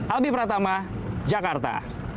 albi pratama jakarta